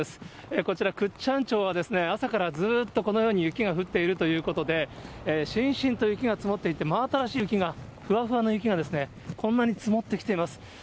こちら、倶知安町はですね、朝からずっとこのように雪が降っているということで、しんしんと雪が積もっていて、真新しい雪が、ふわふわの雪がこんなに積もってきています。